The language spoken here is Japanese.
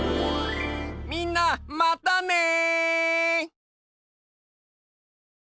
みんなまたね！